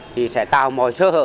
thì sẽ tạo mọi sơ hở